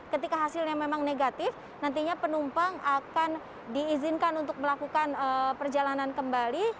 ketika hasilnya memang negatif nantinya penumpang akan diizinkan untuk melakukan perjalanan kembali